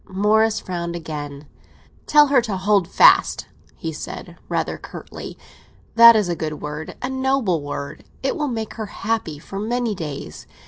Morris frowned again. "Tell her to hold fast," he said rather curtly. "That is a good word—a noble word. It will make her happy for many days.